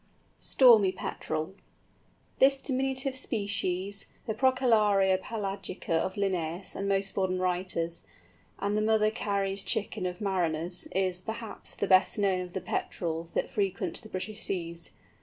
STORMY PETREL. This diminutive species, the Procellaria pelagica of Linnæus and most modern writers, and the "Mother Carey's Chicken" of mariners, is, perhaps, the best known of the Petrels that frequent the British seas.